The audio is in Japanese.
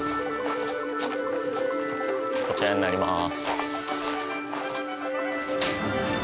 こちらになります。